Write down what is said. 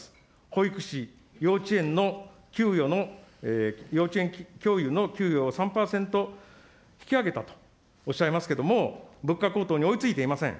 保育士、幼稚園の給与の、幼稚園教諭の給与を３％引き上げたとおっしゃいますけども、物価高騰に追いついていません。